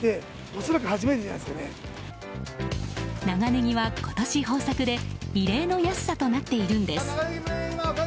長ネギは今年豊作で異例の安さとなっているんです。